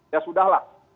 ya sudah lah